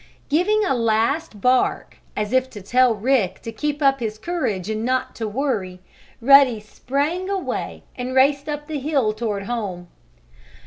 Giving a last bark, as if to tell Rick to keep up his courage and not to worry, Ruddy sprang away, and raced up the hill toward home.